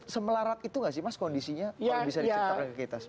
semelarat itu nggak sih mas kondisinya kalau bisa diceritakan ke kita